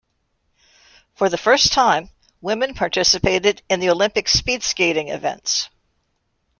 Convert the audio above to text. For the first time, women participated in the Olympic speed skating events.